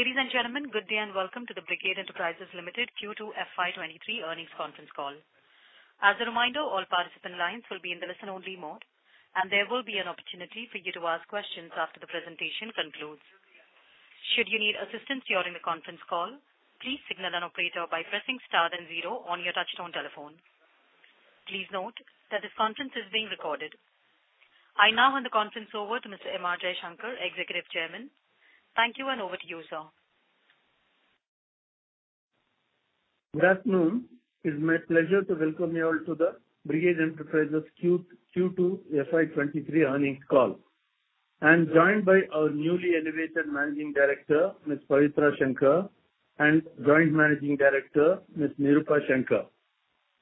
Ladies and gentlemen, good day and welcome to the Brigade Enterprises Limited Q2 FY23 earnings conference call. As a reminder, all participant lines will be in the listen-only mode, and there will be an opportunity for you to ask questions after the presentation concludes. Should you need assistance during the conference call, please signal an operator by pressing star then zero on your touchtone telephone. Please note that this conference is being recorded. I now hand the conference over to Mr. M. R. Jaishankar, Executive Chairman. Thank you, and over to you, sir. Good afternoon. It's my pleasure to welcome you all to the Brigade Enterprises Q2 FY 23 earnings call. I'm joined by our newly elevated Managing Director, Ms. Pavitra Shankar, and Joint Managing Director, Ms. Nirupa Shankar.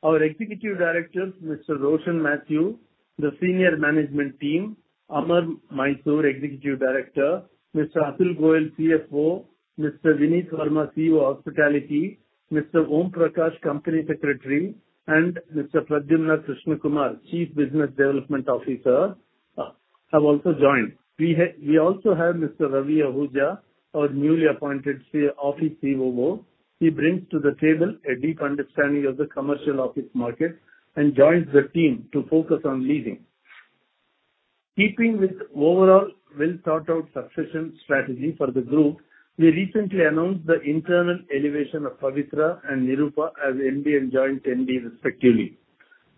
Our executive directors, Mr. Roshin Mathew, the senior management team, Amar Mysore, Executive Director, Mr. Atul Goyal, CFO, Mr. Vineet Verma, CEO, Hospitality, Mr. P. Om Prakash, company secretary, and Mr. Pradyumna Krishna Kumar, Chief Business Development Officer, have also joined. We also have Mr. Ravi S. Ahuja, our newly appointed office COO. He brings to the table a deep understanding of the commercial office market and joins the team to focus on leasing. Keeping with overall well-thought-out succession strategy for the group, we recently announced the internal elevation of Pavitra and Nirupa as MD and Joint MD respectively.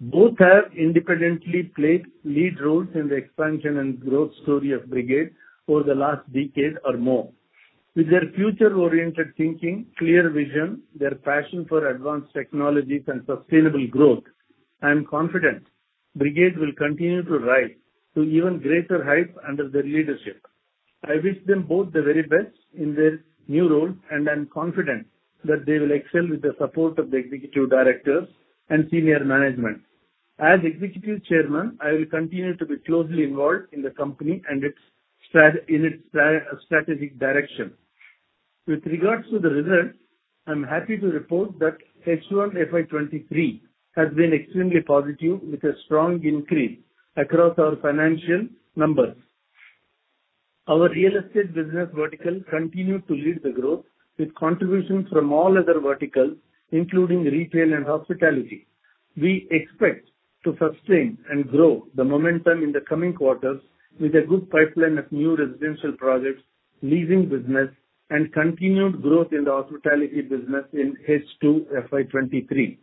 Both have independently played lead roles in the expansion and growth story of Brigade over the last decade or more. With their future-oriented thinking, clear vision, their passion for advanced technologies and sustainable growth, I am confident Brigade will continue to rise to even greater heights under their leadership. I wish them both the very best in their new role, and I'm confident that they will excel with the support of the executive directors and senior management. As executive chairman, I will continue to be closely involved in the company and its strategic direction. With regards to the results, I'm happy to report that H1 FY23 has been extremely positive with a strong increase across our financial numbers. Our real estate business vertical continued to lead the growth with contributions from all other verticals, including retail and hospitality. We expect to sustain and grow the momentum in the coming quarters with a good pipeline of new residential projects, leasing business and continued growth in the hospitality business in H2 FY 2023.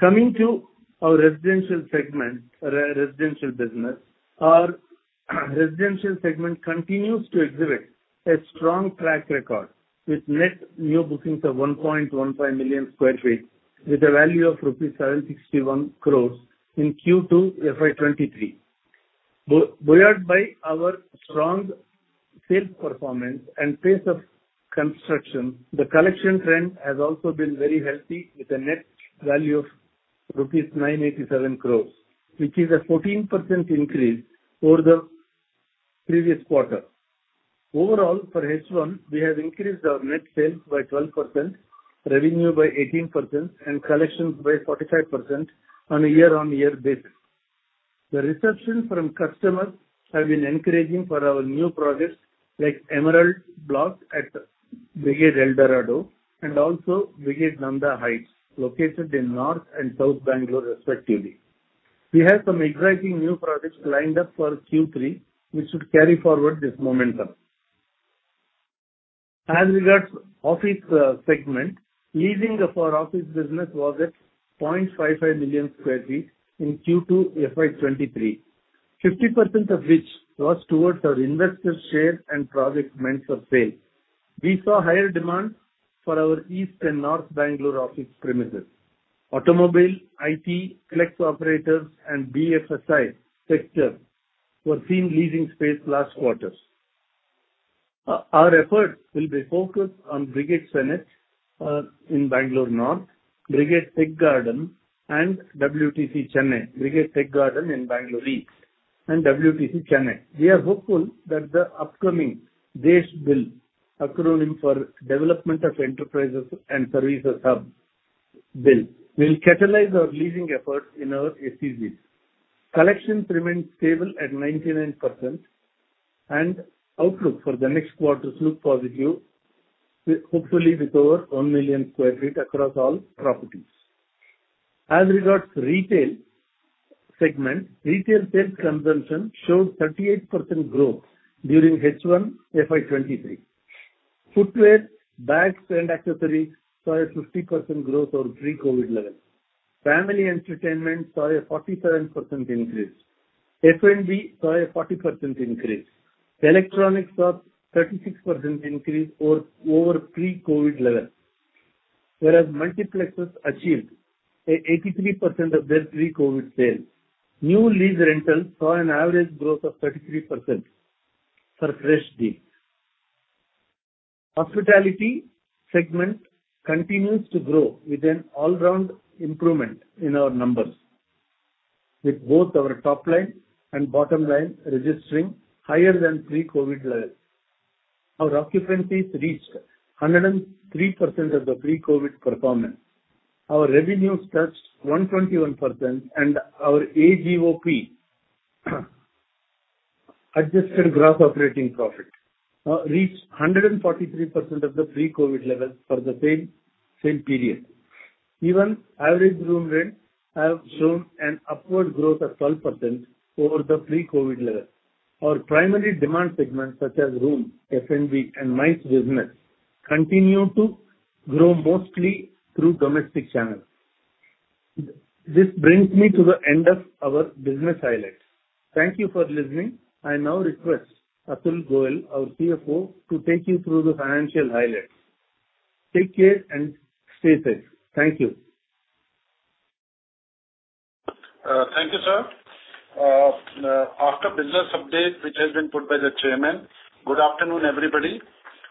Coming to our residential segment, residential business. Our residential segment continues to exhibit a strong track record with net new bookings of 1.15 million sq ft with a value of rupees 761 crore in Q2 FY 2023. Buoyed by our strong sales performance and pace of construction, the collection trend has also been very healthy with a net value of rupees 987 crore, which is a 14% increase over the previous quarter. Overall, for H1, we have increased our net sales by 12%, revenue by 18% and collections by 45% on a year-on-year basis. The reception from customers have been encouraging for our new projects like Emerald Block at Brigade El Dorado and also Brigade Nanda Heights, located in North and South Bangalore respectively. We have some exciting new projects lined up for Q3, which should carry forward this momentum. As regards office segment, leasing of our office business was at 0.55 million sq ft in Q2 FY23, 50% of which was towards our investor share and project mentor sale. We saw higher demand for our East and North Bangalore office premises. Automobile, IT, co-working operators and BFSI sector were seen leasing space last quarter. Our efforts will be focused on Brigade Zenith in Bangalore North, Brigade Tech Gardens and WTC Chennai. Brigade Tech Gardens in Bangalore East and WTC Chennai. We are hopeful that the upcoming DESH Bill, acronym for Development of Enterprises and Services Hub bill, will catalyze our leasing efforts in our SEZs. Collection remains stable at 99%, and outlook for the next quarters look positive. We hopefully recover 1 million sq ft across all properties. As regards retail segment, retail sales consumption showed 38% growth during H1 FY 2023. Footwear, bags and accessories saw a 50% growth over pre-COVID levels. Family entertainment saw a 47% increase. F&B saw a 40% increase. Electronics saw 36% increase over pre-COVID levels, whereas multiplexes achieved an 83% of their pre-COVID sales. New lease rentals saw an average growth of 33% for fresh deals. Hospitality segment continues to grow with an all-round improvement in our numbers. With both our top line and bottom line registering higher than pre-COVID levels. Our occupancies reached 103% of the pre-COVID performance. Our revenues touched 121% and our AGOP, adjusted gross operating profit, reached 143% of the pre-COVID levels for the same period. Even average room rate have shown an upward growth of 12% over the pre-COVID level. Our primary demand segments such as room, F&B, and MICE business continue to grow mostly through domestic channels. This brings me to the end of our business highlights. Thank you for listening. I now request Atul Goyal, our CFO, to take you through the financial highlights. Take care and stay safe. Thank you. Thank you, sir. After business update, which has been put by the chairman. Good afternoon, everybody.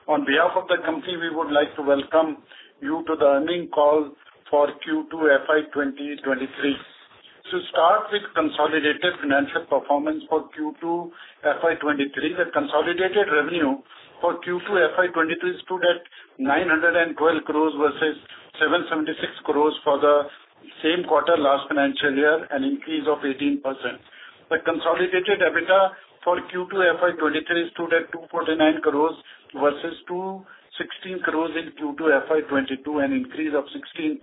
On behalf of the company, we would like to welcome you to the earnings call for Q2 FY 2023. To start with consolidated financial performance for Q2 FY 2023, the consolidated revenue for Q2 FY 2023 stood at 912 crore versus 776 crore for the same quarter last financial year, an increase of 18%. The consolidated EBITDA for Q2 FY 2023 stood at INR 249 crore versus INR 216 crore in Q2 FY 2022, an increase of 16%.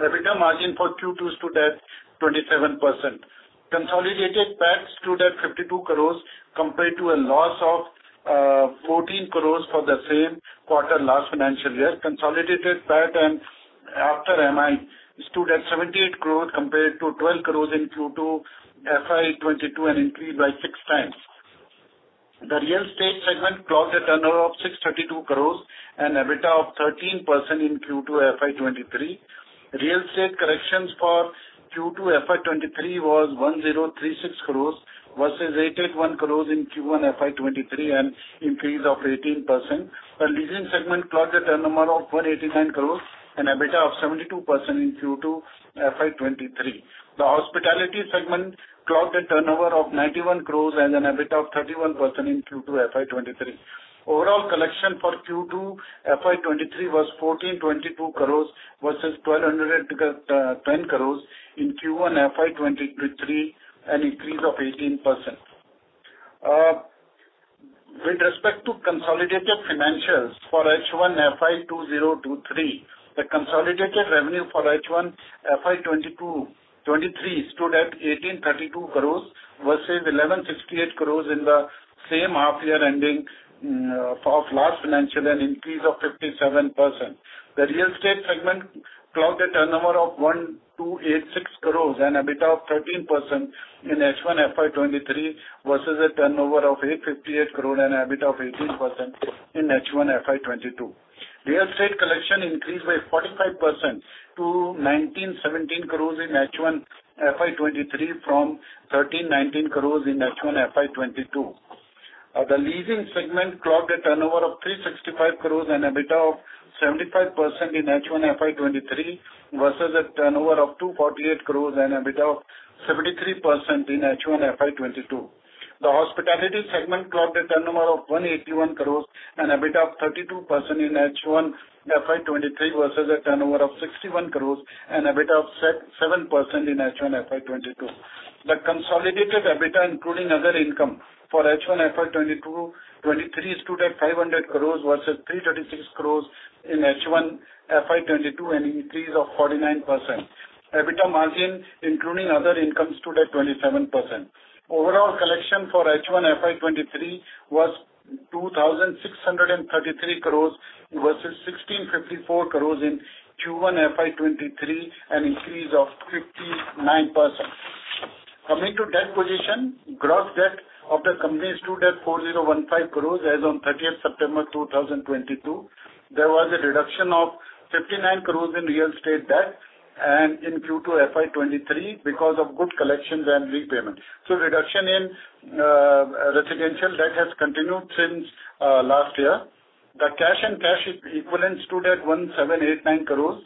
EBITDA margin for Q2 stood at 27%. Consolidated PAT stood at 52 crore compared to a loss of 14 crore for the same quarter last financial year. Consolidated PAT and after MI stood at 78 crore compared to 12 crore in Q2 FY 2022, an increase by six times. The real estate segment clocked a turnover of 632 crore, an EBITDA of 13% in Q2 FY 2023. Real estate collections for Q2 FY 2023 was 1,036 crore versus 881 crore in Q1 FY 2023, an increase of 18%. The leasing segment clocked a turnover of 189 crore, an EBITDA of 72% in Q2 FY 2023. The hospitality segment clocked a turnover of 91 crore and an EBITDA of 31% in Q2 FY 2023. Overall collection for Q2 FY 2023 was 1,422 crore versus 1,210 crore in Q1 FY 2023, an increase of 18%. With respect to consolidated financials for H1 FY 2023, the consolidated revenue for H1 FY 2023 stood at 1,832 crores versus 1,168 crores in the same half year ending of last financial, an increase of 57%. The real estate segment clocked a turnover of 1,286 crores and EBITDA of 13% in H1 FY 2023 versus a turnover of 858 crore and an EBITDA of 18% in H1 FY 2022. Real estate collection increased by 45% to 1,917 crores in H1 FY 2023 from 1,319 crores in H1 FY 2022. The leasing segment clocked a turnover of 365 crores and EBITDA of 75% in H1 FY 2023 versus a turnover of 248 crores and EBITDA of 73% in H1 FY 2022. The hospitality segment clocked a turnover of 181 crore and EBITDA of 32% in H1 FY 2023 versus a turnover of 61 crore and EBITDA of 7% in H1 FY 2022. The consolidated EBITDA, including other income for H1 FY 2023 stood at INR 500 crore versus INR 336 crore in H1 FY 2022, an increase of 49%. EBITDA margin, including other income, stood at 27%. Overall collection for H1 FY 2023 was 2,633 crore versus 1,654 crore in Q1 FY 2023, an increase of 59%. Coming to debt position, gross debt of the company stood at 4,015 crore as on 30th September 2022. There was a reduction of 59 crore in real estate debt in Q2 FY 2023 because of good collections and repayments. Reduction in residential debt has continued since last year. The cash and cash equivalent stood at 1,789 crores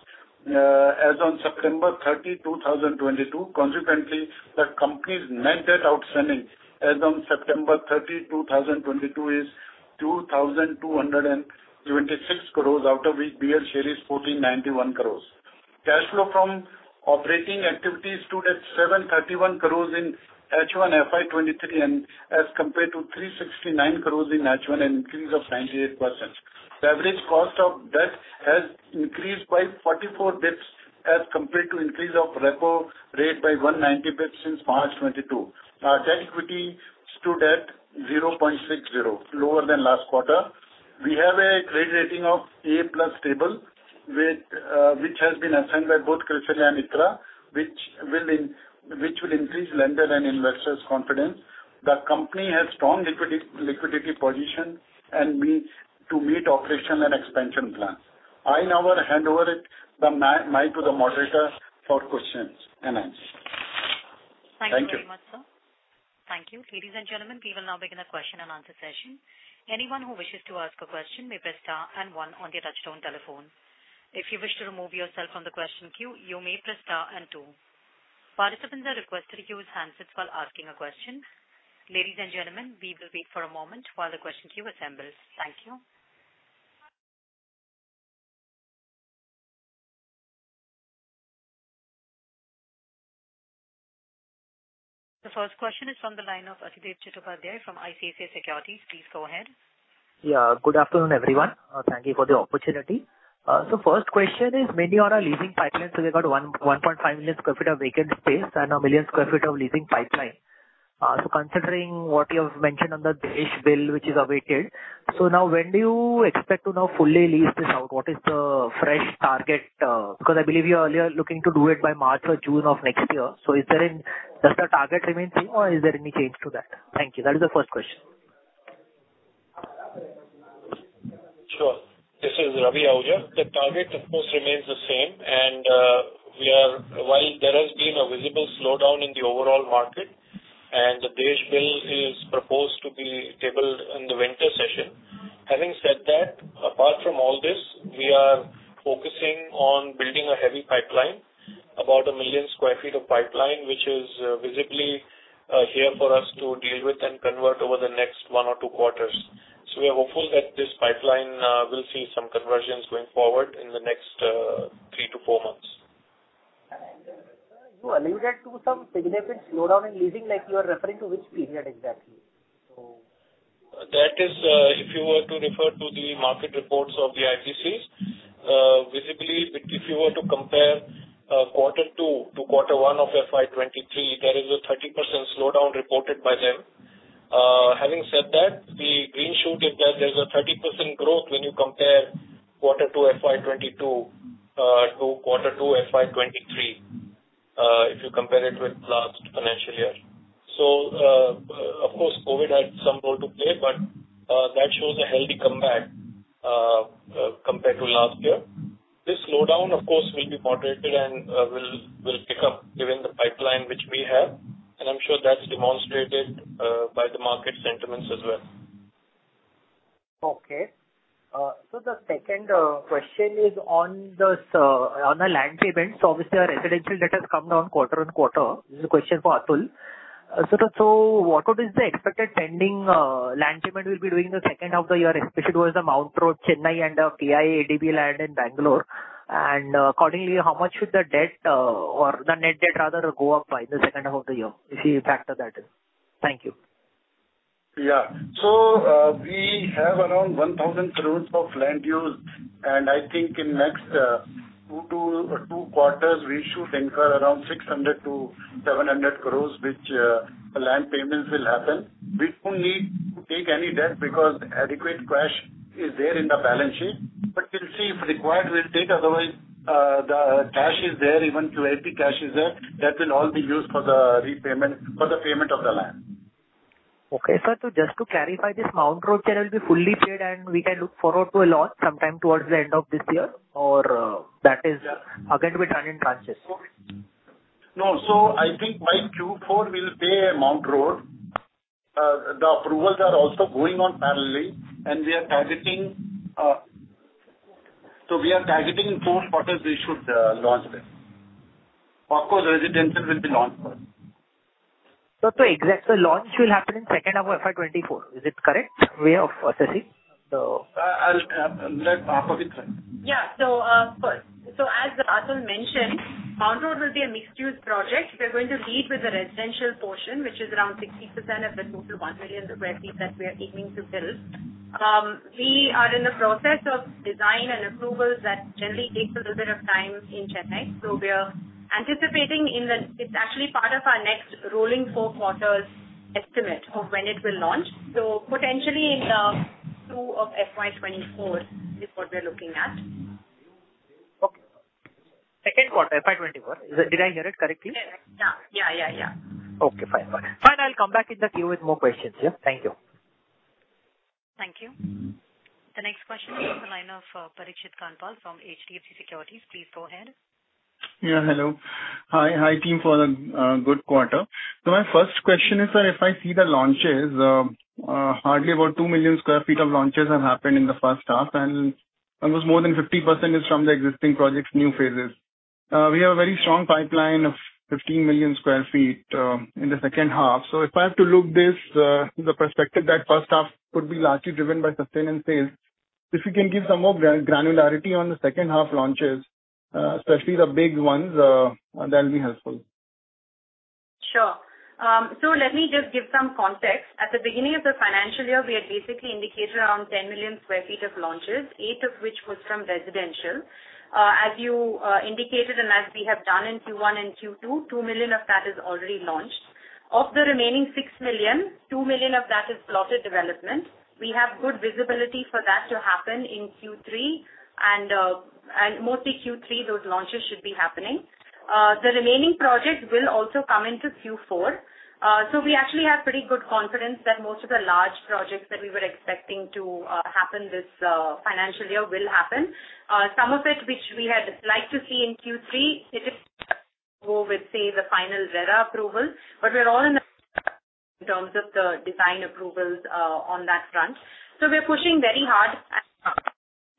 as on September 30, 2022. Consequently, the company's net debt outstanding as on September 30, 2022 is 2,226 crores, out of which BL share is 1,491 crores. Cash flow from operating activities stood at 731 crores in H1 FY 2023 and as compared to 369 crores in H1, an increase of 98%. The average cost of debt has increased by 44 basis points as compared to increase of repo rate by 190 basis points since March 2022. Our debt equity stood at 0.60, lower than last quarter. We have a credit rating of A+ Stable, which has been assigned by both CRISIL and ICRA, which will increase lender and investors' confidence. The company has strong liquidity position and means to meet operational and expansion plans. I will now hand over the mic to the moderator for questions and answers. Thank you. Thank you. Thank you very much, sir. Thank you. Ladies and gentlemen, we will now begin the question and answer session. Anyone who wishes to ask a question may press star and one on their touchtone telephone. If you wish to remove yourself from the question queue, you may press star and two. Participants are requested to use handsets while asking a question. Ladies and gentlemen, we will wait for a moment while the question queue assembles. Thank you. The first question is from the line of Adhidev Chattopadhyay from ICICI Securities. Please go ahead. Yeah. Good afternoon, everyone. Thank you for the opportunity. First question is on the leasing pipeline, they got 1.5 million sq ft of vacant space and 1 million sq ft of leasing pipeline. Considering what you have mentioned on the DESH Bill, which is awaited, now when do you expect to now fully lease this out? What is the fresh target, because I believe you were earlier looking to do it by March or June of next year. Does the target remain same, or is there any change to that? Thank you. That is the first question. Sure. This is Ravi Ahuja. The target of course remains the same. While there has been a visible slowdown in the overall market and the DESH Bill is proposed to be tabled in the winter session. Having said that, apart from all this, we are focusing on building a heavy pipeline, about 1 million sq ft of pipeline, which is visibly here for us to deal with and convert over the next one or two quarters. We are hopeful that this pipeline will see some conversions going forward in the next three to four months. You alluded to some significant slowdown in leasing. Like, you are referring to which period exactly? That is, if you were to refer to the market reports of the IPCs, visibly, if you were to compare, quarter two to quarter one of FY 2023, there is a 30% slowdown reported by them. Having said that, the green shoot is that there's a 30% growth when you compare quarter two FY 2022 to quarter two FY 2023, if you compare it with last financial year. Of course, COVID had some role to play, but, that shows a healthy comeback, compared to last year. This slowdown, of course, will be moderated and, will pick up given the pipeline which we have, and I'm sure that's demonstrated, by the market sentiments as well. Okay. The second question is on this, on the land payments. Obviously, our residential debt has come down quarter-on-quarter. This is a question for Atul. What would be the expected pending land payment we'll be doing in the second half of the year, especially towards the Mount Road, Chennai and KIADB land in Bangalore. Accordingly, how much should the debt, or the net debt rather go up by the second half of the year if you factor that in? Thank you. We have around 1,000 crores of land used, and I think in next two quarters we should incur around 600 crores-700 crores, which the land payments will happen. We don't need to take any debt because adequate cash is there in the balance sheet. We'll see. If required, we'll take. Otherwise, the cash is there, even QIP cash is there. That will all be used for the repayment, for the payment of the land. Okay. Sir, so just to clarify, this Mount Road channel will be fully paid and we can look forward to a launch sometime towards the end of this year, or, that is again to be done in tranches? No. I think by Q4 we'll launch Mount Road. The approvals are also going on parallelly, and we are targeting fourth quarter we should launch that. Of course, residential will be launched first. Launch will happen in second half of FY 2024. Is it correct way of assessing? I'll let Pavitra Shankar try. Yeah. As Atul mentioned, Mount Road will be a mixed-use project. We're going to lead with the residential portion, which is around 60% of the total 1 million sq ft that we are aiming to build. We are in the process of design and approvals that generally takes a little bit of time in Chennai. We are anticipating. It's actually part of our next rolling four quarters estimate of when it will launch. Potentially in 2Q of FY 2024 is what we're looking at. Okay. Second quarter, FY 2024. Did I hear it correctly? Yeah. Okay, fine. I'll come back in the queue with more questions. Yeah. Thank you. Thank you. The next question is from the line of, Parikshit Kandpal from HDFC Securities. Please go ahead. Yeah. Hello. Hi. Hi, team, for the good quarter. My first question is that if I see the launches, hardly about 2 million sq ft of launches have happened in the first half, and almost more than 50% is from the existing projects' new phases. We have a very strong pipeline of 15 million sq ft in the second half. If I have to look at this from the perspective that first half could be largely driven by sustenance sales. If you can give some more granularity on the second half launches, especially the big ones, that'll be helpful. Sure. Let me just give some context. At the beginning of the financial year, we had basically indicated around 10 million sq ft of launches, eight of which was from residential. As you indicated and as we have done in Q1 and Q2, 2 million of that is already launched. Of the remaining 6 million, 2 million of that is plotted development. We have good visibility for that to happen in Q3 and mostly Q3, those launches should be happening. The remaining projects will also come into Q4. We actually have pretty good confidence that most of the large projects that we were expecting to happen this financial year will happen. Some of it which we had liked to see in Q3, it is subject to the final RERA approval. We're all in terms of the design approvals on that front. We're pushing very hard.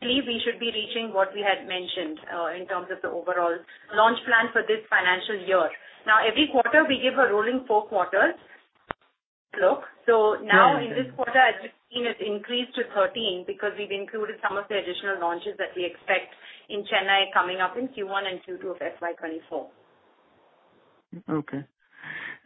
We should be reaching what we had mentioned in terms of the overall launch plan for this financial year. Now, every quarter we give a rolling four quarters. Now in this quarter, as you've seen, it's increased to 13 because we've included some of the additional launches that we expect in Chennai coming up in Q1 and Q2 of FY 2024. Okay.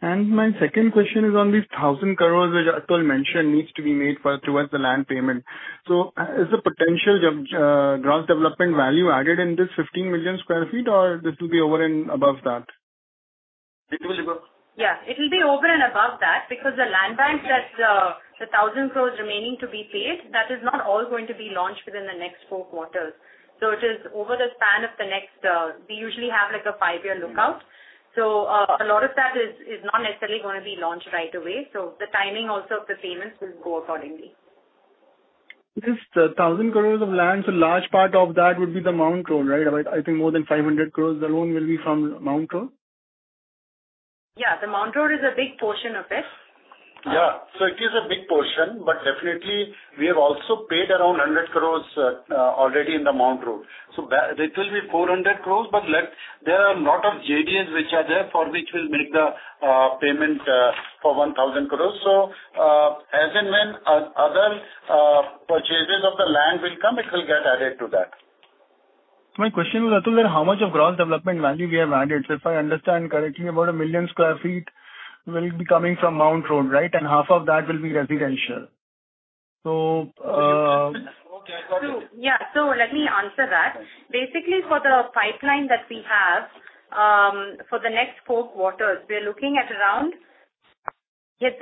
My second question is on these 1,000 crore which Atul mentioned needs to be made towards the land payment. Is the potential of gross development value added in this 15 million sq ft, or this will be over and above that? It will be above. Yeah, it'll be over and above that because the land bank that the 1,000 crore remaining to be paid, that is not all going to be launched within the next four quarters. It is over the span of the next, we usually have, like, a five-year outlook. A lot of that is not necessarily gonna be launched right away. The timing also of the payments will go accordingly. This 1,000 crores of land, so large part of that would be the Mount Road, right? I think more than 500 crore, the loan will be from Mount Road. Yeah, the Mount Road is a big portion of it. Yeah. It is a big portion, but definitely we have also paid around 100 crores already in the Mount Road. It will be 400 crores, but there are lot of JDs which are there for which we'll make the payment for 1,000 crores. As and when other purchases of the land will come, it will get added to that. My question to Atul then, how much of gross development value we have added? If I understand correctly, about 1 million sq ft will be coming from Mount Road, right? Half of that will be residential. Okay, got it. Yeah. Let me answer that. Basically, for the pipeline that we have, for the next four quarters, we are looking at around 13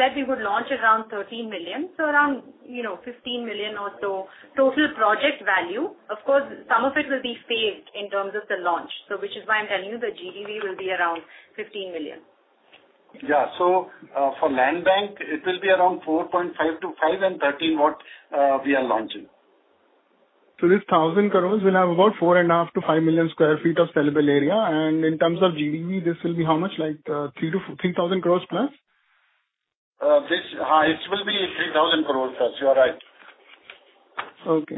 million, so around, you know, 15 million or so total project value. Of course, some of it will be phased in terms of the launch. Which is why I'm telling you the GDV will be around 15 million. For land bank it will be around 4.5 to five and 13 what we are launching. This 1,000 crore will have about 4.5-5 million sq ft of sellable area. In terms of GDV, this will be how much? Like, 3,000 crore+? It will be 3,000 crores+. You are right.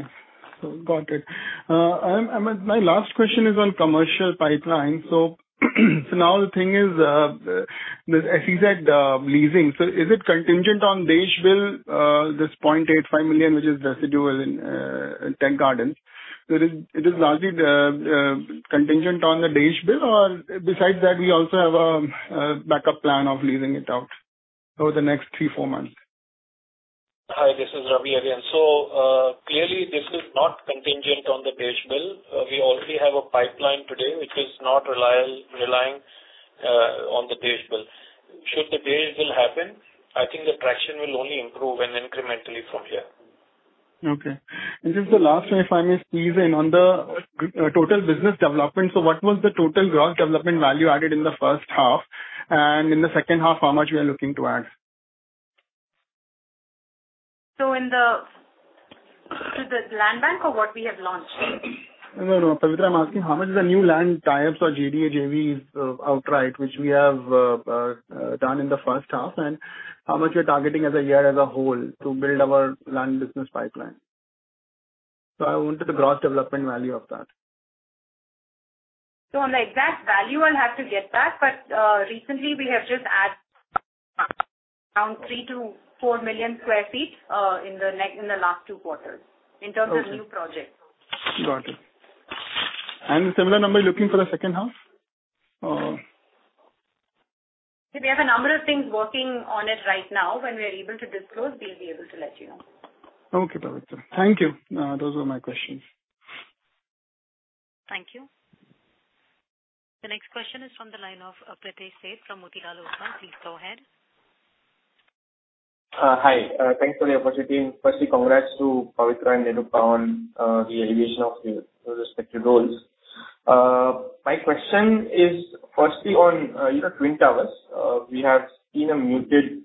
Got it. My last question is on commercial pipeline. The SEZ leasing. Is it contingent on DESH Bill, this 0.85 million which is residual in Tech Gardens? Is it largely contingent on DESH Bill or besides that we also have a backup plan of leasing it out over the next three, four months? Hi, this is Ravi again. Clearly this is not contingent on the DESH Bill. We already have a pipeline today which is not relying on DESH Bill. should DESH Bill happen, I think the traction will only improve and incrementally from here. Okay. This is the last one if I may squeeze in on the GDV business development. What was the total gross development value added in the first half? And in the second half, how much we are looking to add? To the land bank or what we have launched? No, no, Pavitra, I'm asking how much is the new land tie-ups or JDAs, JVs, outright, which we have done in the first half, and how much we are targeting as a year as a whole to build our land business pipeline. I want the gross development value of that. On the exact value, I'll have to get that. Recently we have just added around 3-4 million sq ft in the last two quarters. Okay. In terms of new projects. Got it. A similar number you're looking for the second half? Or. We have a number of things working on it right now. When we are able to disclose, we'll be able to let you know. Okay, Pavitra. Thank you. Those were my questions. Thank you. The next question is from the line of Pritesh Sheth from Motilal Oswal. Please go ahead. Hi. Thanks for the opportunity. Firstly, congrats to Pavitra and Nirupa on the elevation of your respective roles. My question is firstly on, you know, Twin Towers. We have seen a muted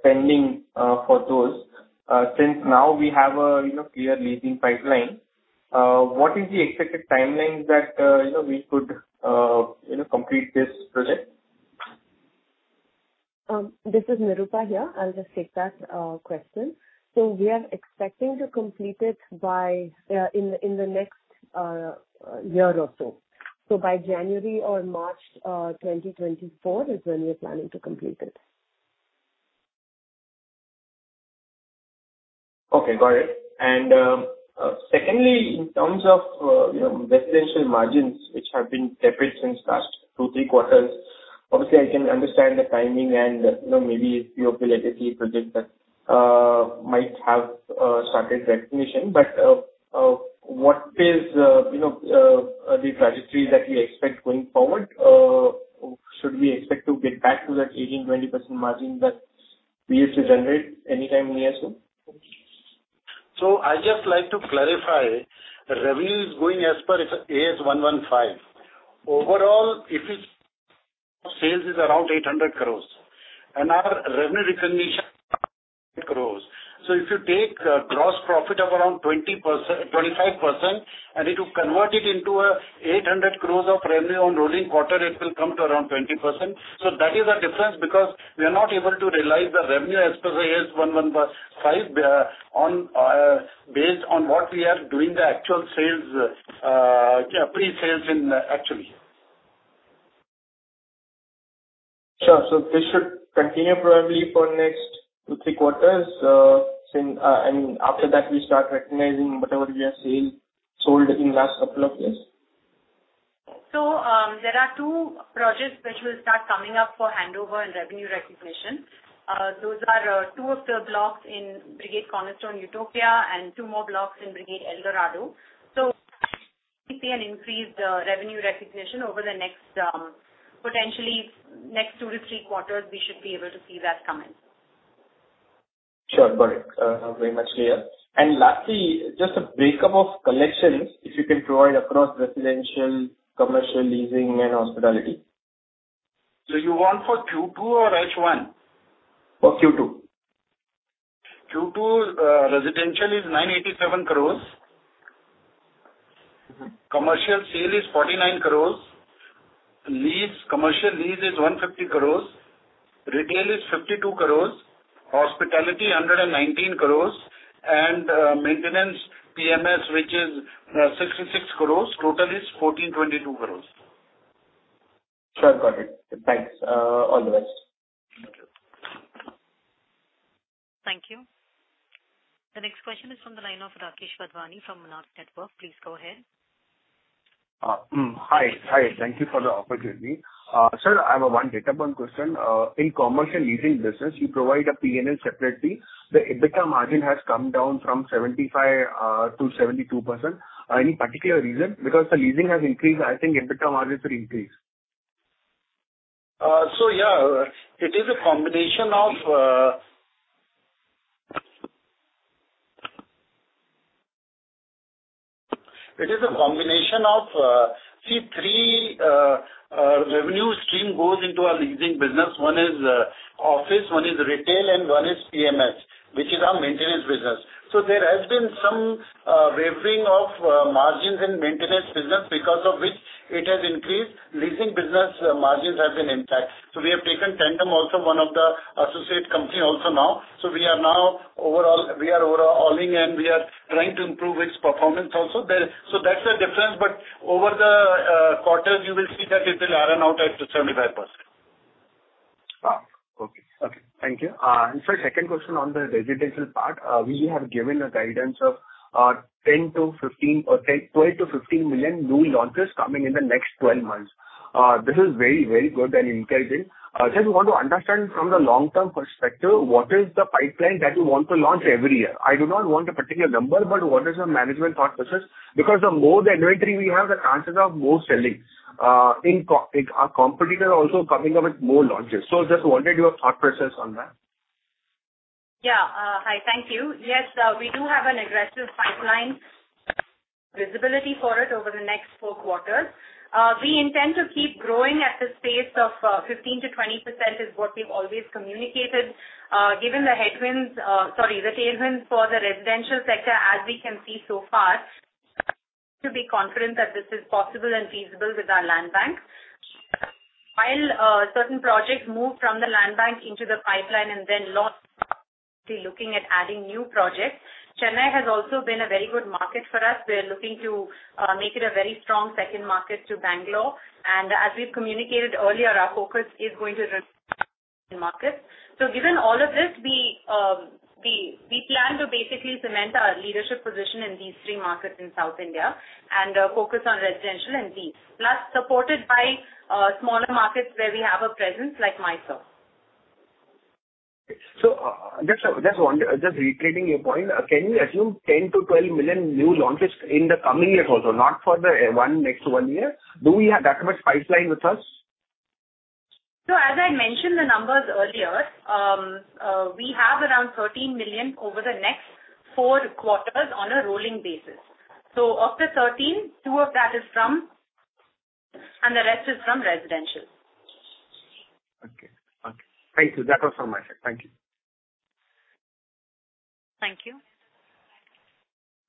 spending for those. Since now we have a, you know, clear leasing pipeline, what is the expected timeline that, you know, we could, you know, complete this project? This is Nirupa here. I'll just take that question. We are expecting to complete it by in the next year or so. By January or March 2024 is when we are planning to complete it. Okay, got it. Secondly, in terms of you know, residential margins which have been tapered since last two to three quarters. Obviously, I can understand the timing and you know, maybe few of the legacy projects that might have started recognition. What is you know, the trajectory that we expect going forward? Should we expect to get back to that 18%-20% margin that we used to generate anytime near soon? I just like to clarify, revenue is growing as per Ind AS 115. Overall, if its sales is around 800 crores and our revenue recognition grows. If you take a gross profit of around 20%-25%, and if you convert it into 800 crores of revenue on rolling quarter, it will come to around 20%. That is the difference because we are not able to realize the revenue as per Ind AS 115, on, based on what we are doing the actual sales, pre-sales, actually. Sure. This should continue probably for next two, three quarters, since, and after that we start recognizing whatever we have seen sold in last couple of years? There are two projects which will start coming up for handover and revenue recognition. Those are two of the blocks in Brigade Cornerstone Utopia and two more blocks in Brigade El Dorado. We see an increased revenue recognition over the next potentially next two to three quarters, we should be able to see that coming. Sure. Got it. Very much clear. Lastly, just a break-up of collections, if you can provide across residential, commercial leasing and hospitality. You want for Q2 or H1? For Q2. Q2, residential is 987 crores. Commercial sale is 49 crore. Lease, commercial lease is 150 crore. Retail is 52 crore. Hospitality, 119 crore. Maintenance PMS, which is, 66 crore. Total is 1,422 crore. Sure. Got it. Thanks. All the best. Thank you. Thank you. The next question is from the line of Rakesh Wadhwani from Monarch Networth. Please go ahead. Hi, thank you for the opportunity. Sir, I have a one data point question. In commercial leasing business, you provide a P&L separately. The EBITDA margin has come down from 75%-72%. Any particular reason? Because the leasing has increased, I think EBITDA margins will increase. It is a combination of three revenue streams that go into our leasing business. One is office, one is retail, and one is PMS, which is our maintenance business. There has been some wavering of margins in maintenance business because of which it has increased. Leasing business margins have been intact. We have taken Tandem also, one of the associate company also now. We are now overall and we are trying to improve its performance also. That's the difference. Over the quarter, you will see that it will iron out to 75%. Okay. Thank you. Sir, second question on the residential part. We have given a guidance of 10-15 or 10, 12-15 million new launches coming in the next 12 months. This is very, very good and encouraging. Just want to understand from the long-term perspective, what is the pipeline that you want to launch every year? I do not want a particular number, but what is your management thought process? Because the more the inventory we have, the chances of more selling. In our competitor also coming up with more launches. Just wanted your thought process on that. Yeah. Hi. Thank you. Yes, we do have an aggressive pipeline visibility for it over the next four quarters. We intend to keep growing at this pace of 15%-20% is what we've always communicated. Given the headwinds, sorry, the tailwinds for the residential sector as we can see so far, to be confident that this is possible and feasible with our land bank. While certain projects move from the land bank into the pipeline and then launch, we're looking at adding new projects. Chennai has also been a very good market for us. We're looking to make it a very strong second market to Bangalore. As we've communicated earlier, our focus is going to markets. Given all of this, we plan to basically cement our leadership position in these three markets in South India and focus on residential and these. Plus supported by smaller markets where we have a presence like Mysore. Just reiterating your point, can we assume 10-12 million new launches in the coming years also? Not for the next one year. Do we have that much pipeline with us? As I mentioned the numbers earlier, we have around 13 million over the next four quarters on a rolling basis. Of the 13, 2 of that is from and the rest is from residential. Okay. Okay. Thank you. That was from my side. Thank you. Thank you.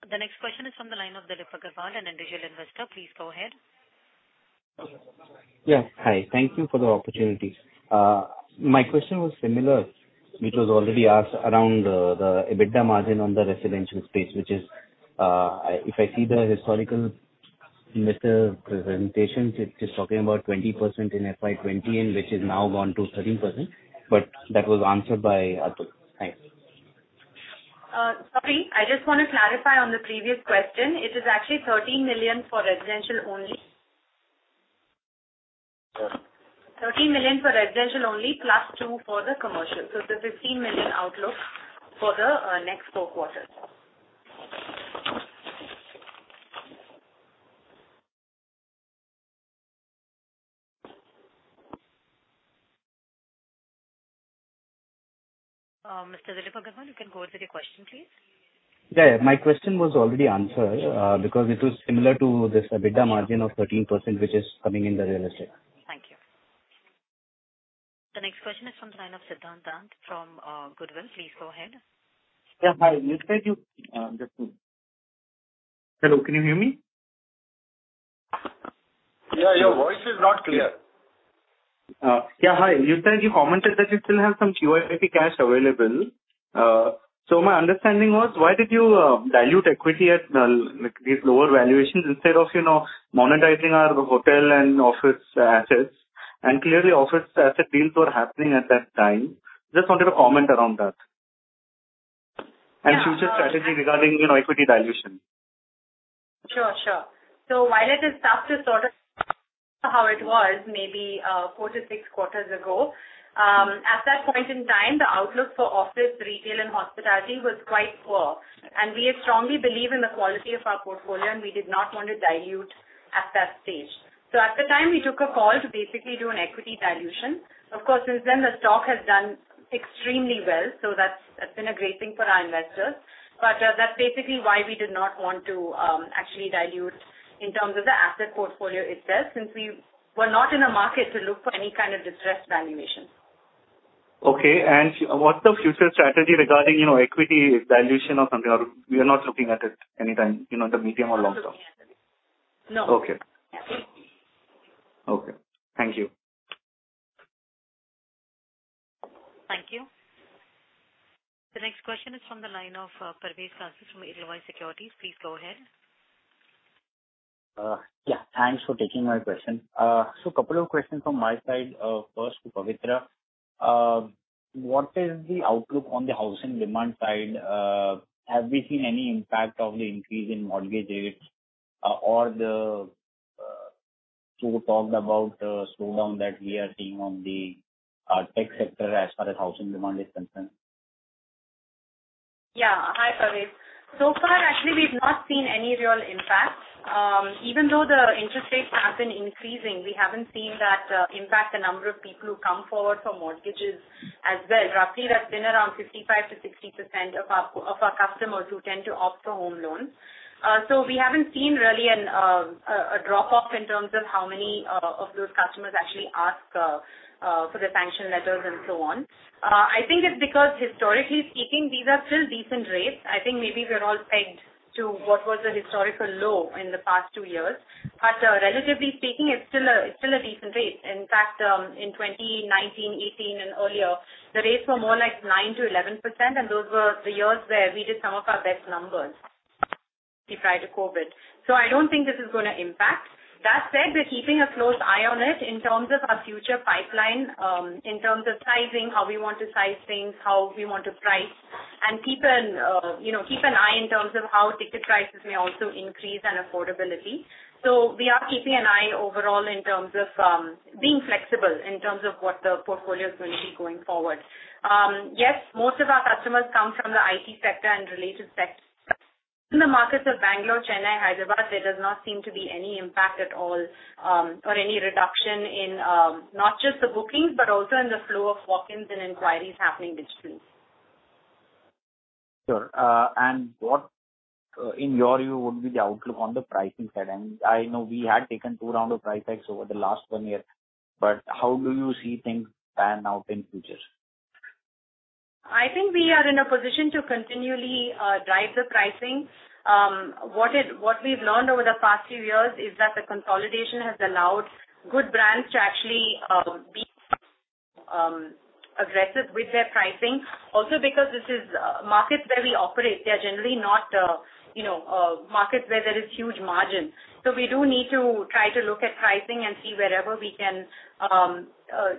The next question is from the line of Dilip Agrawal, An Individual Investor. Please go ahead. Yes. Hi. Thank you for the opportunity. My question was similar, which was already asked around the EBITDA margin on the residential space, which is, if I see the historical investor presentations, it's just talking about 20% in FY2020 which is now gone to 13%. That was answered by Atul. Thanks. Sorry, I just want to clarify on the previous question. It is actually 13 million for residential only. Sure. 13 million for residential only, +2 million for the commercial. It's a 15 million outlook for the next four quarters. Mr. Dilip Agrawal, you can go with your question, please. Yeah, yeah. My question was already answered, because it was similar to this EBITDA margin of 13%, which is coming in the real estate. Thank you. The next question is from the line of Siddhant Dand from Goodwill. Please go ahead. Yeah. Hi, Nitish. Hello, can you hear me? Yeah, your voice is not clear. Yeah. Hi. You said you commented that you still have some QIP cash available. So my understanding was why did you dilute equity at like these lower valuations instead of, you know, monetizing our hotel and office assets? Clearly office asset deals were happening at that time. Just wanted a comment around that. Yeah. Future strategy regarding, you know, equity dilution. Sure. While it is tough to sort of how it was maybe, four to six quarters ago, at that point in time, the outlook for office, retail, and hospitality was quite poor. We strongly believe in the quality of our portfolio, and we did not want to dilute at that stage. At the time, we took a call to basically do an equity dilution. Of course, since then the stock has done extremely well, so that's been a great thing for our investors. That's basically why we did not want to actually dilute in terms of the asset portfolio itself, since we were not in a market to look for any kind of distressed valuation. Okay. What's the future strategy regarding, you know, equity dilution or something, or we are not looking at it anytime, you know, in the medium or long term? No. Okay. Yeah. Okay. Thank you. Thank you. The next question is from the line of Parvez Qazi from Edelweiss Securities. Please go ahead. Yeah. Thanks for taking my question. So couple of questions from my side, first to Pavitra. What is the outlook on the housing demand side? Have we seen any impact of the increase in mortgage rates or the slowdown Ravi talked about that we are seeing on the tech sector as far as housing demand is concerned? Hi, Parvez. So far, actually, we've not seen any real impact. Even though the interest rates have been increasing, we haven't seen that impact the number of people who come forward for mortgages as well. Roughly that's been around 55%-60% of our customers who tend to opt for home loans. We haven't seen really a drop-off in terms of how many of those customers actually ask for the sanction letters and so on. I think it's because historically speaking, these are still decent rates. I think maybe we're all pegged to what was the historical low in the past two years. Relatively speaking, it's still a decent rate. In fact, in 2019, 2018 and earlier, the rates were more like 9%-11% and those were the years where we did some of our best numbers, prior to COVID. I don't think this is gonna impact. That said, we're keeping a close eye on it in terms of our future pipeline, in terms of sizing, how we want to size things, how we want to price and keep an eye in terms of how ticket prices may also increase and affordability. We are keeping an eye overall in terms of being flexible in terms of what the portfolio is going to be going forward. Yes, most of our customers come from the IT sector and related tech sector. In the markets of Bangalore, Chennai, Hyderabad, there does not seem to be any impact at all, or any reduction in, not just the bookings, but also in the flow of walk-ins and inquiries happening digitally. Sure. What, in your view, would be the outlook on the pricing side? I know we had taken two rounds of price hikes over the last one year, but how do you see things pan out in future? I think we are in a position to continually drive the pricing. What we've learned over the past few years is that the consolidation has allowed good brands to actually be aggressive with their pricing. Also because this is markets where we operate, they're generally not you know markets where there is huge margin. So we do need to try to look at pricing and see wherever we can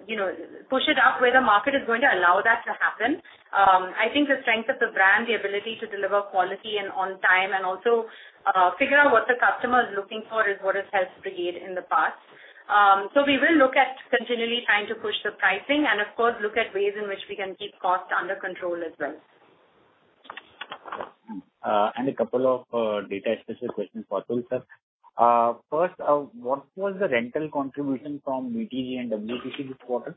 you know push it up where the market is going to allow that to happen. I think the strength of the brand, the ability to deliver quality and on time and also figure out what the customer is looking for is what has helped Brigade in the past. We will look at continually trying to push the pricing and of course look at ways in which we can keep costs under control as well. A couple of data-specific questions for Ravi sir. First, what was the rental contribution from BTG and WTC this quarter?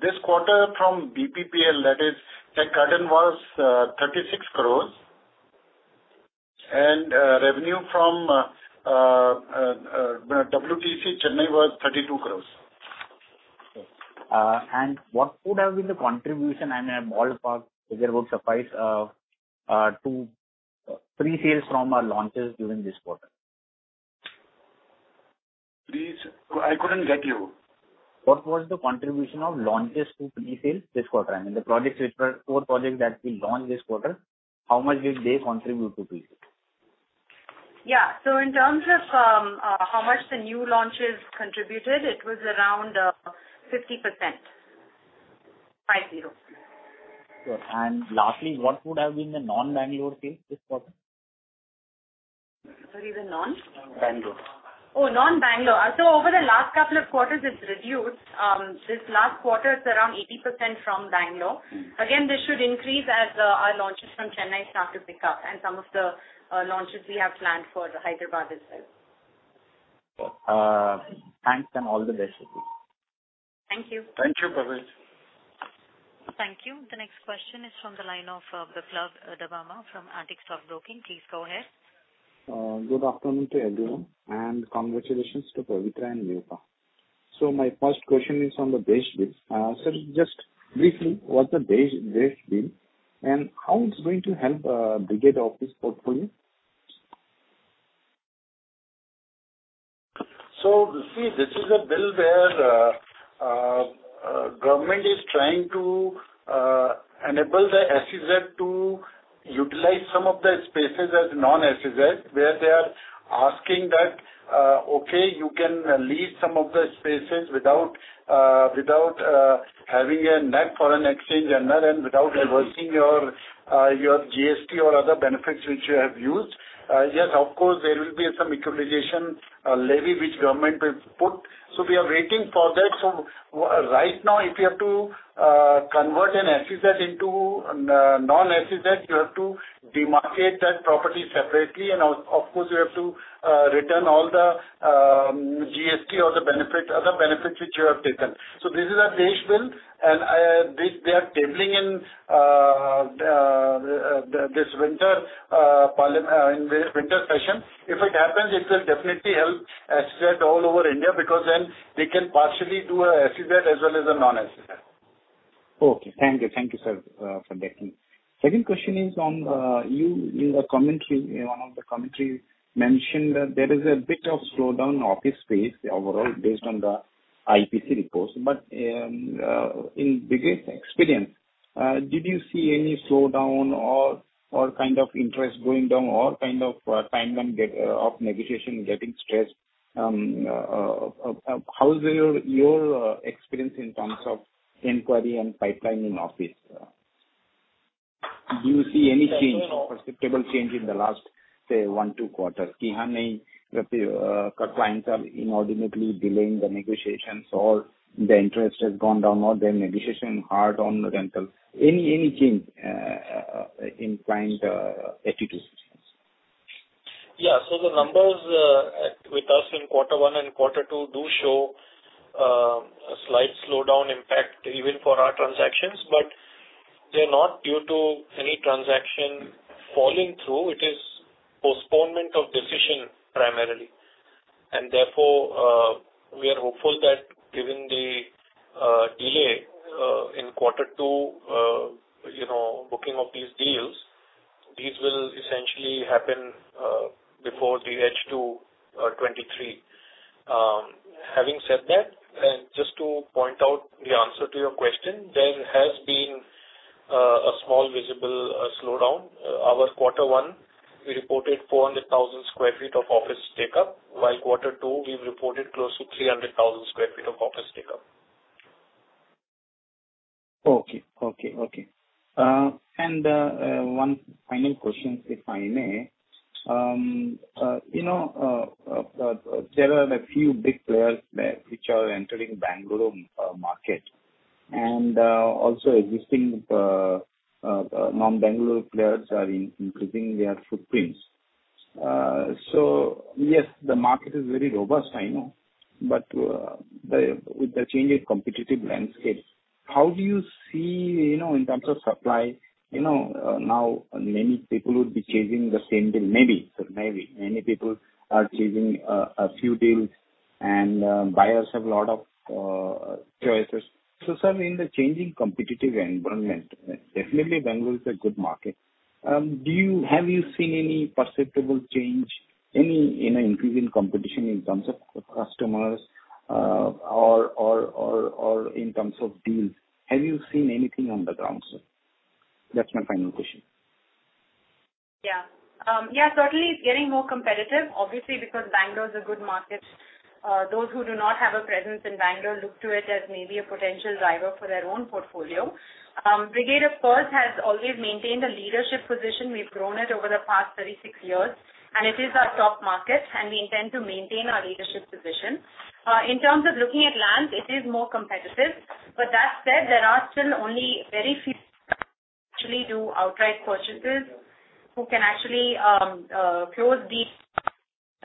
This quarter from BPPL, that is Tech Gardens was 36 crores. Revenue from WTC Chennai was 32 crores. Okay. What would have been the contribution and a ballpark figure would suffice to pre-sales from our launches during this quarter? Please, I couldn't get you. What was the contribution of launches to pre-sales this quarter? I mean, the four projects that we launched this quarter, how much did they contribute to pre-sales? Yeah. In terms of how much the new launches contributed, it was around 50%. 5-0. Sure. Lastly, what would have been the non-Bangalore sales this quarter? Sorry, the non? Bangalore. Oh, non-Bangalore. Over the last couple of quarters, it's reduced. This last quarter is around 80% from Bangalore.. Again, this should increase as our launches from Chennai start to pick up and some of the launches we have planned for Hyderabad as well. Thanks, and all the best to you. Thank you. Thank you, Parvez. Thank you. The next question is from the line of, Vipul Daburma from Antique Stock Broking. Please go ahead. Good afternoon to everyone, and congratulations to Pavitra and Nirupa. My first question is on the DESH Bill. Sir, just briefly, what's the DESH Bill, and how it's going to help Brigade office portfolio? This is a bill where government is trying to enable the SEZ to utilize some of their spaces as non-SEZ, where they are asking that okay, you can lease some of the spaces without having a net foreign exchange earner and without reversing your GST or other benefits which you have used. Yes, of course, there will be some equalization levy which government will put. We are waiting for that. Right now, if you have to convert an SEZ into non-SEZ, you have to demarcate that property separately and of course, you have to return all the GST or other benefits which you have taken. This is a DESH Bill and this they are tabling in this winter parliament in the winter session. If it happens, it will definitely help SEZ all over India because then they can partially do a SEZ as well as a non-SEZ. Okay. Thank you. Thank you, sir, for that. Second question is on your commentary, in one of the commentaries mentioned that there is a bit of slowdown in office space overall based on the IPCs reports. In Brigade's experience, did you see any slowdown or kind of interest going down or kind of timeline of negotiation getting stressed? How is your experience in terms of inquiry and pipeline in office? Do you see any change? Yeah, so- Perceptible change in the last, say, one, two quarters? Clients are inordinately delaying the negotiations or the interest has gone down or the negotiation hard on the rental. Any change in client attitudes? Yeah. The numbers with us in quarter one and quarter two do show a slight slowdown impact even for our transactions, but they're not due to any transaction falling through. It is postponement of decision primarily. Therefore, we are hopeful that given the delay in quarter two, you know, booking of these deals, these will essentially happen before the end of 2023. Having said that, and just to point out the answer to your question, there has been a small visible slowdown. Our quarter one, we reported 400,000 sq ft of office take up, while quarter two we've reported close to 300,000 sq ft of office take up. Okay. One final question, if I may. You know, there are a few big players there which are entering Bangalore market and also existing non-Bangalore players are increasing their footprints. Yes, the market is very robust, I know. With the changing competitive landscape, how do you see, you know, in terms of supply, you know, now many people would be chasing the same deal maybe. Maybe many people are chasing a few deals and buyers have a lot of choices. Sir, in the changing competitive environment, definitely Bangalore is a good market. Have you seen any perceptible change, any you know increasing competition in terms of customers, or in terms of deals? Have you seen anything on the ground, sir? That's my final question. Yeah, certainly it's getting more competitive, obviously, because Bangalore is a good market. Those who do not have a presence in Bangalore look to it as maybe a potential driver for their own portfolio. Brigade of course has always maintained a leadership position. We've grown it over the past 36 years, and it is our top market, and we intend to maintain our leadership position. In terms of looking at land, it is more competitive. That said, there are still only very few actually do outright purchases, who can actually close the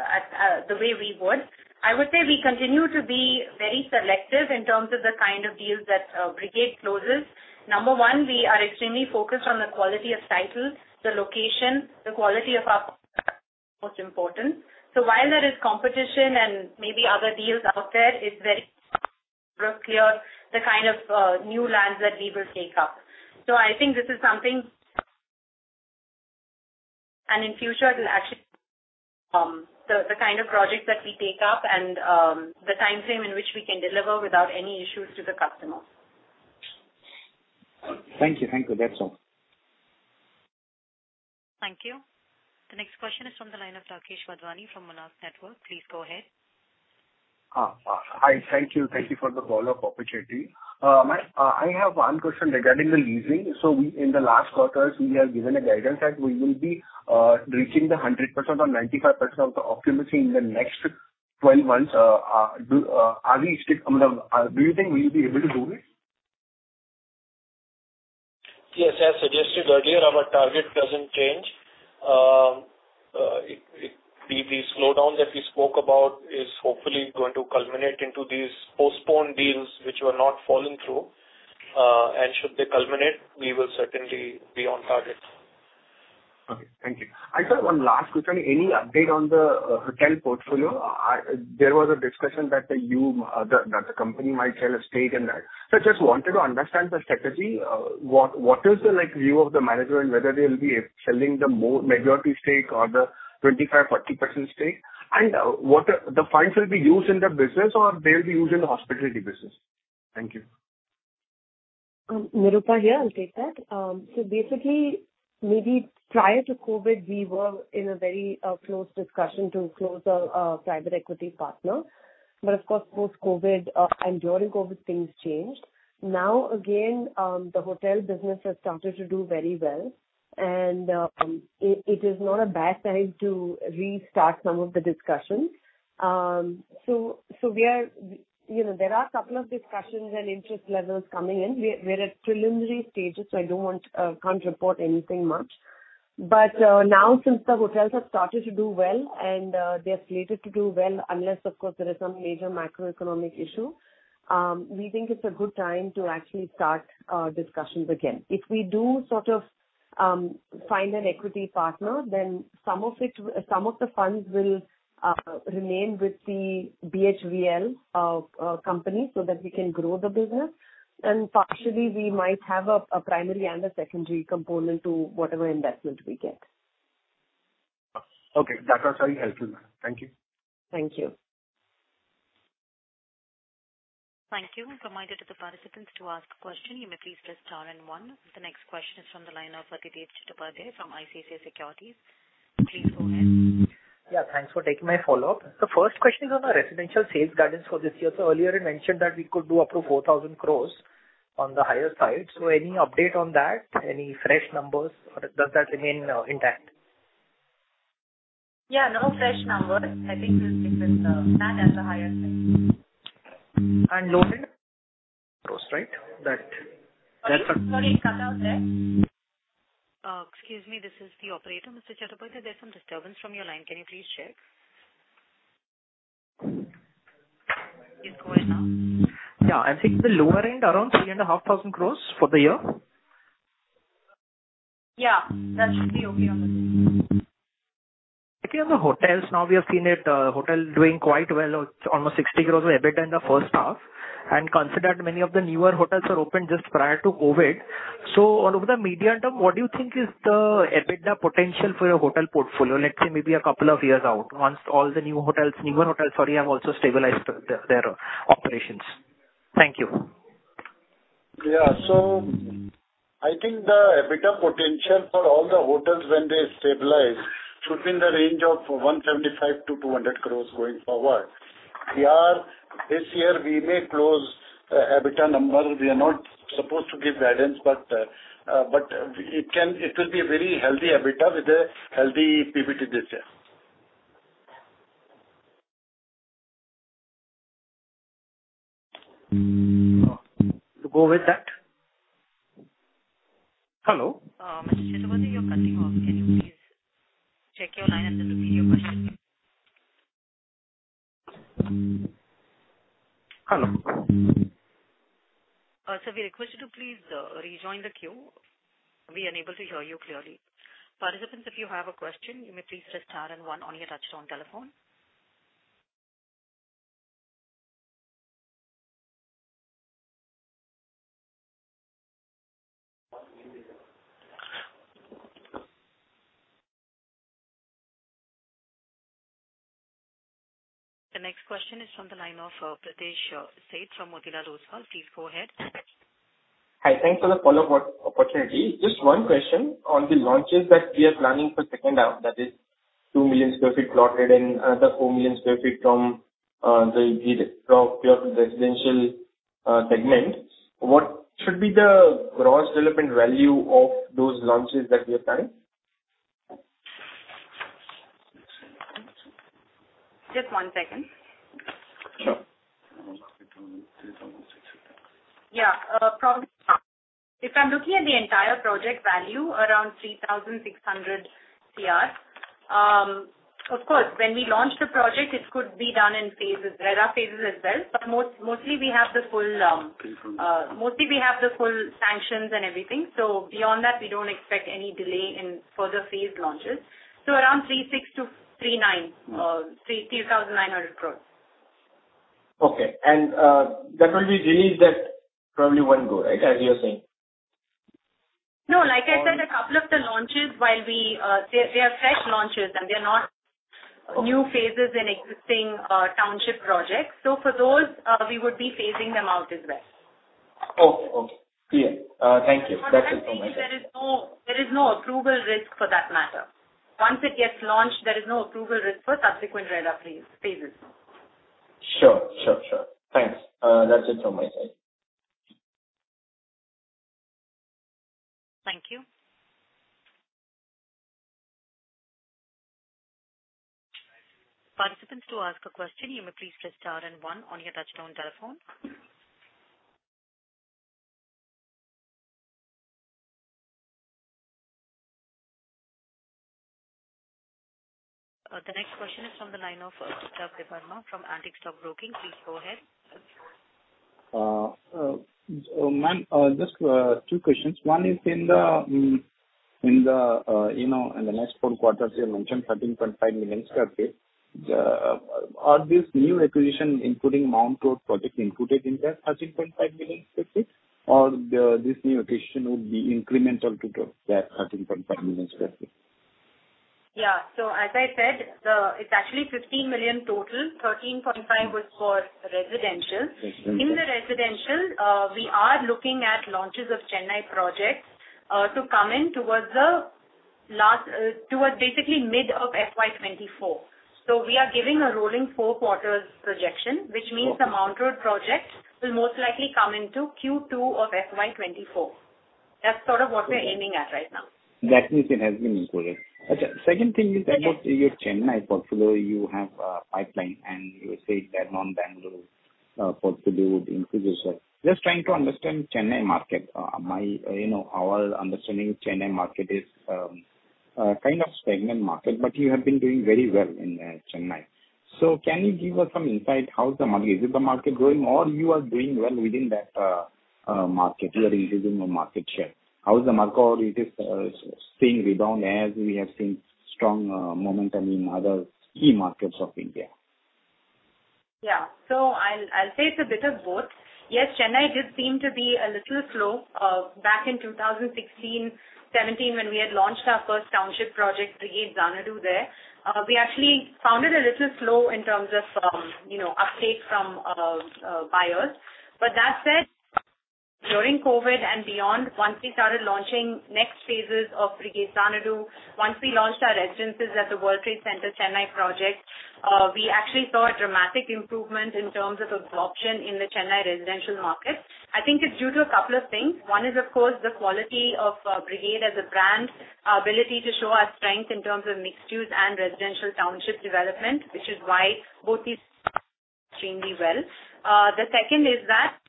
at the way we would. I would say we continue to be very selective in terms of the kind of deals that Brigade closes. Number one, we are extremely focused on the quality of titles, the location, the quality of our most important. While there is competition and maybe other deals out there, it's very clear the kind of new lands that we will take up. I think this is something and in future it'll actually the kind of projects that we take up and the timeframe in which we can deliver without any issues to the customers. Thank you. That's all. Thank you. The next question is from the line of Rakesh Wadhwani from Monarch Networth. Please go ahead. Hi. Thank you. Thank you for the follow-up opportunity. I have one question regarding the leasing. In the last quarters, we have given a guidance that we will be reaching the 100% or 95% of the occupancy in the next 12 months. I mean, do you think we'll be able to do it? Yes. As suggested earlier, our target doesn't change. The slowdown that we spoke about is hopefully going to culminate into these postponed deals which were not falling through. Should they culminate, we will certainly be on target. Okay, thank you. I just have one last question. Any update on the hotel portfolio? There was a discussion that the company might sell a stake in that. I just wanted to understand the strategy. What is the view of the management, whether they'll be selling the majority stake or the 25-30% stake? And what will the funds be used for in the business or in the hospitality business? Thank you. Nirupa here. I'll take that. Basically maybe prior to COVID we were in a very close discussion to close a private equity partner. Of course, post-COVID and during COVID, things changed. Now again, the hotel business has started to do very well and it is not a bad time to restart some of the discussions. We are. You know, there are a couple of discussions and interest levels coming in. We're at preliminary stages, so I don't want, can't report anything much. Now since the hotels have started to do well and they're slated to do well, unless of course there is some major macroeconomic issue, we think it's a good time to actually start discussions again. If we do sort of find an equity partner, then some of the funds will remain with the BHVL company so that we can grow the business. Partially we might have a primary and a secondary component to whatever investment we get. Okay. That was very helpful, ma'am. Thank you. Thank you. Thank you. Reminder to the participants to ask a question, you may please press star and one. The next question is from the line of Adhidev Chattopadhyay from ICICI Securities. Please go ahead. Yeah. Thanks for taking my follow-up. The first question is on the residential sales guidance for this year. Earlier you mentioned that we could do up to 4,000 crore on the higher side. Any update on that? Any fresh numbers or does that remain intact? Yeah. No fresh numbers. I think we'll stick with that as a higher side. Lower end crores, right? That. Sorry. It cut out there. Excuse me, this is the operator. Mr. Adhidev Chattopadhyay, there's some disturbance from your line. Can you please check? It's going now. Yeah. I think the lower end around 3,500 crore for the year. Yeah. That should be okay on the. Okay. On the hotels now we have seen it, hotel doing quite well. Almost 60 crores of EBITDA in the first half. Considered many of the newer hotels are opened just prior to COVID. Over the medium term, what do you think is the EBITDA potential for your hotel portfolio? Let's say maybe a couple of years out once all the new hotels, newer hotels, sorry, have also stabilized their operations. Thank you. I think the EBITDA potential for all the hotels when they stabilize should be in the range of 175-200 crores going forward. This year we may close EBITDA numbers. We are not supposed to give guidance but it can, it will be a very healthy EBITDA with a healthy PBT this year. To go with that. Hello? Mr. Chattopadhyay, you're cutting off. Can you please check your line and then repeat your question? Hello. Sir, we request you to please rejoin the queue. We're unable to hear you clearly. Participants, if you have a question, you may please press star and one on your touchtone telephone. The next question is from the line of Pritesh Sheth from Motilal Oswal. Please go ahead. Hi. Thanks for the follow-up opportunity. Just one question on the launches that we are planning for second half, that is 2 million sq ft plotted and another 4 million sq ft from your residential segment. What should be the gross development value of those launches that we are planning? Just one second. Sure. Yeah. Probably if I'm looking at the entire project value around 3,600 crore. Of course, when we launch the project it could be done in phases. There are phases as well, but mostly we have the full sanctions and everything. Beyond that we don't expect any delay in further phased launches. Around INR 3,600 crore-INR 3,900 crore. Okay. That will be released at probably one go, right? As you are saying. No. Like I said, a couple of the launches. They are fresh launches and they're not new phases in existing township projects. For those, we would be phasing them out as well. Oh, oh. Yeah. Thank you. That's it from my side. There is no approval risk for that matter. Once it gets launched, there is no approval risk for subsequent redev phases. Sure. Thanks. That's it from my side. Thank you. Participants, to ask a question you may please press star and one on your touchtone telephone. The next question is from the line of, Vipul Daburma from Antique Stock Broking. Please go ahead. Ma'am, just two questions. One is, you know, in the next four quarters, you mentioned 13.5 million sq ft. Are this new acquisition including Mount Road project included in that 13.5 million sq ft or this new acquisition would be incremental to that 13.5 million sq ft? Yeah. As I said, it's actually 15 million total. 13.5 million was for residential. Okay. In the residential, we are looking at launches of Chennai projects to come in towards basically mid of FY 2024. We are giving a rolling four quarters projection. Okay. which means the Mount Road project will most likely come into Q2 of FY 2024. That's sort of what we're aiming at right now. That means it has been included. Okay. Second thing is about. Yes. Your Chennai portfolio. You have a pipeline, and you said that non-Bangalore portfolio would increase as well. Just trying to understand Chennai market. My, you know, our understanding Chennai market is a kind of stagnant market, but you have been doing very well in Chennai. Can you give us some insight? How is the market? Is it the market growing or you are doing well within that market? You are increasing your market share. How is the market or it is staying redundant as we have seen strong momentum in other key markets of India? I'll say it's a bit of both. Yes, Chennai did seem to be a little slow. Back in 2016, 2017 when we had launched our first township project, Brigade Xanadu there, we actually found it a little slow in terms of, you know, uptake from buyers. That said, during COVID and beyond, once we started launching next phases of Brigade Xanadu, once we launched our residences at the World Trade Center, Chennai project, we actually saw a dramatic improvement in terms of absorption in the Chennai residential market. I think it's due to a couple of things. One is, of course, the quality of Brigade as a brand, our ability to show our strength in terms of mixed-use and residential township development, which is why both these extremely well. The second is that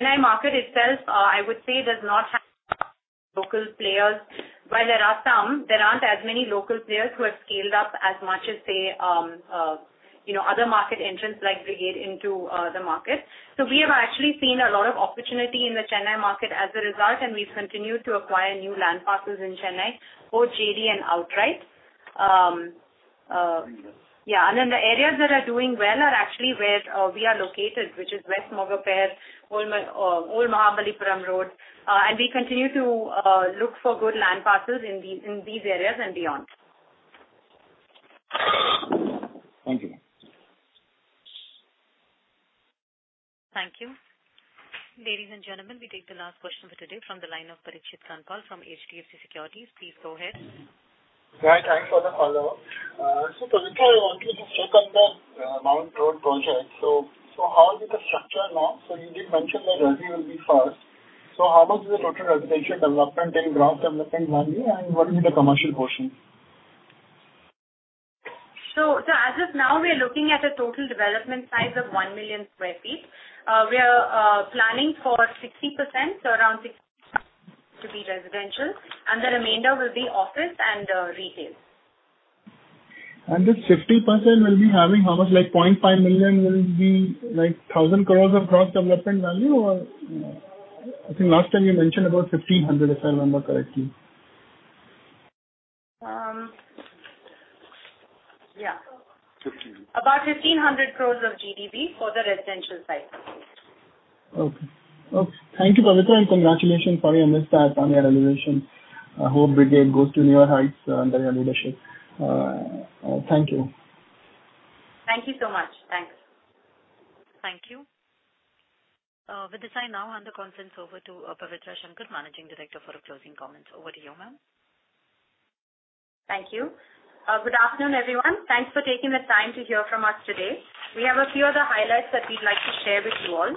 Chennai market itself, I would say does not have local players. While there are some, there aren't as many local players who have scaled up as much as say, you know, other market entrants like Brigade into the market. We have actually seen a lot of opportunity in the Chennai market as a result, and we've continued to acquire new land parcels in Chennai for JD and outright. Yeah. Then the areas that are doing well are actually where we are located, which is West Mogappair, Old Mahabalipuram Road. We continue to look for good land parcels in these areas and beyond. Thank you, ma'am. Thank you. Ladies and gentlemen, we take the last question for today from the line of Parikshit Kandpal from HDFC Securities. Please go ahead. Thanks for the follow-up. Pavitra, I want you to focus on the Mount Road project. How is the structure now? You did mention that revenue will be first. How much is the total residential development in gross development value, and what will be the commercial portion? As of now, we are looking at a total development size of 1 million sq ft. We are planning for 60%, around 60% to be residential, and the remainder will be office and retail. This 50% will be having how much? Like 0.5 million will be like 1,000 crores of gross development value or I think last time you mentioned about 1,500, if I remember correctly. Yeah. 1,500. About 1,500 crore of GDV for the residential side. Okay. Thank you, Pavitra, and congratulations for your listing at Tanea Renovation. I hope Brigade goes to newer heights under your leadership. Thank you. Thank you so much. Thanks. Thank you. With this I now hand the conference over to Pavitra Shankar, Managing Director, for closing comments. Over to you, ma'am. Thank you. Good afternoon, everyone. Thanks for taking the time to hear from us today. We have a few other highlights that we'd like to share with you all.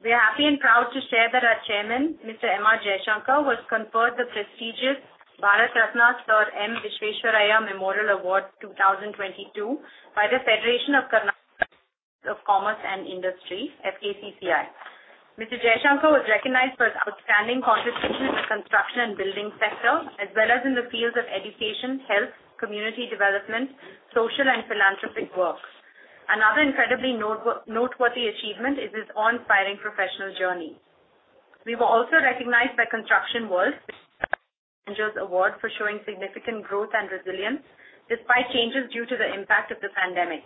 We are happy and proud to share that our chairman, Mr. M.R. Jaishankar, was conferred the prestigious Bharat Ratna Sir M. Visvesvaraya Memorial Award 2022 by the Federation of Karnataka Chambers of Commerce and Industry, FKCCI. Mr. Jaishankar was recognized for his outstanding contribution to construction and building sector, as well as in the fields of education, health, community development, social and philanthropic works. Another incredibly noteworthy achievement is his awe-inspiring professional journey. We were also recognized by Construction World Global Awards for showing significant growth and resilience despite changes due to the impact of the pandemic.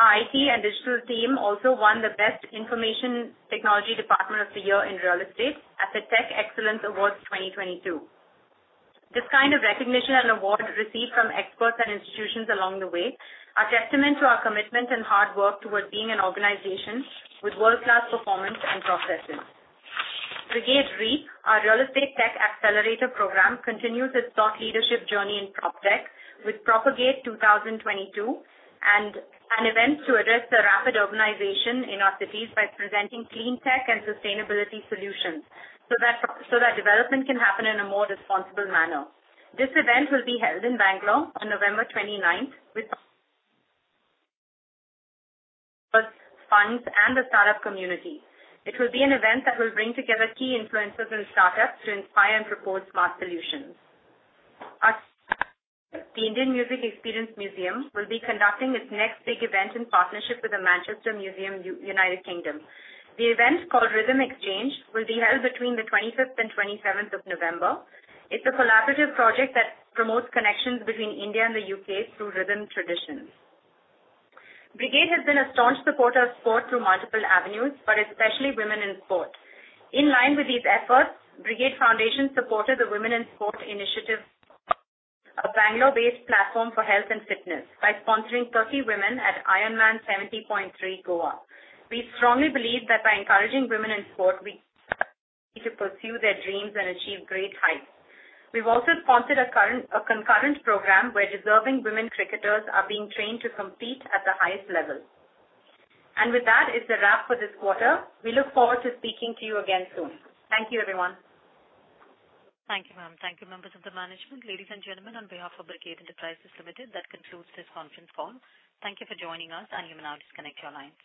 Our IT and digital team also won the Best Information Technology Department of the Year in real estate at the Tech Excellence Awards 2022. This kind of recognition and awards received from experts and institutions along the way are testament to our commitment and hard work towards being an organization with world-class performance and processes. Brigade REAP, our real estate tech accelerator program, continues its thought leadership journey in PropTech with Propagate 2022 and events to address the rapid urbanization in our cities by presenting clean tech and sustainability solutions so that development can happen in a more responsible manner. This event will be held in Bangalore on November 29th with founders and the startup community. It will be an event that will bring together key influencers and startups to inspire and propose smart solutions. At the Indian Music Experience Museum, will be conducting its next big event in partnership with the Manchester Museum, United Kingdom. The event, called Rhythm Exchange, will be held between the 25th and 27th of November. It's a collaborative project that promotes connections between India and the U.K. through rhythm traditions. Brigade has been a staunch supporter of sport through multiple avenues, but especially women in sport. In line with these efforts, Brigade Foundation supported the Women in Sport initiative, a Bangalore-based platform for health and fitness, by sponsoring 30 women at Ironman 70.3 Goa. We strongly believe that by encouraging women in sport, women to pursue their dreams and achieve great heights. We've also sponsored a concurrent program where deserving women cricketers are being trained to compete at the highest level. With that, it's a wrap for this quarter. We look forward to speaking to you again soon. Thank you, everyone. Thank you, ma'am. Thank you, members of the management. Ladies and gentlemen, on behalf of Brigade Enterprises Limited, that concludes this conference call. Thank you for joining us, and you may now disconnect your lines.